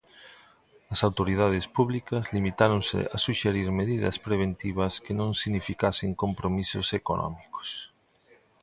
As autoridades públicas limitáronse a suxerir medidas preventivas que non significasen compromisos económicos.